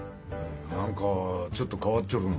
何かちょっと変わっちょるのう。